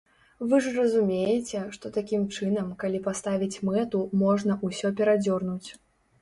Вы ж разумееце, што такім чынам, калі паставіць мэту, можна ўсё перадзёрнуць.